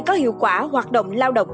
có hiệu quả hoạt động lao động